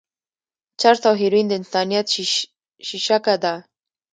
چرس او هيروين د انسانيت شېشکه ده.